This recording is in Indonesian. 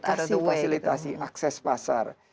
kasih fasilitasi akses pasar